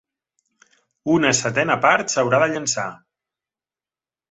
Una setena part s'haurà de llençar.